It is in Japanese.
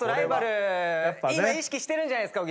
今意識してるんじゃないですか？